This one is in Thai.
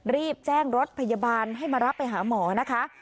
รีบแจ้งรถพยาบาลให้มารับไปหาหมอนะคะ